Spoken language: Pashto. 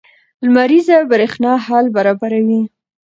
لمریزه برېښنا حل برابروي.